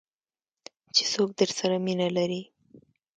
چې څوک درسره مینه لري .